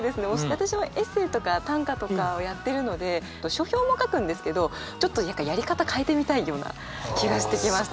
私はエッセーとか短歌とかをやってるので書評も書くんですけどちょっとやり方変えてみたいような気がしてきました。